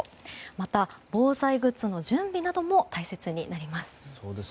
また、防災グッズの準備なども大切になります。